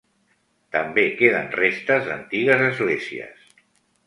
També queden restes d'antigues esglésies.